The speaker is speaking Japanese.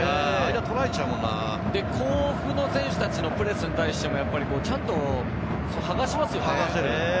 甲府の選手たちのプレスに対して、ちゃんとはがしますよね。